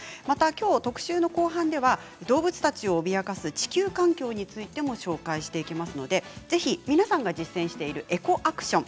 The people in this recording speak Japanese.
きょう特集の後半では動物たちを脅かす地球環境についても紹介していきますのでぜひ皆さんで実践しているエコアクション